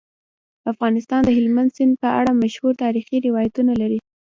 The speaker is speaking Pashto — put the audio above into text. افغانستان د هلمند سیند په اړه مشهور تاریخی روایتونه لري.